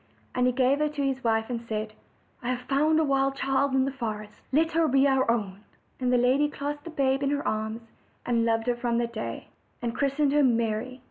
And he gave her to his wife, and said: "I have found a wild child in the forest; let her be our own." And the lady clasped the babe in her arms, and loved her from that day; and they had her christened "Mary."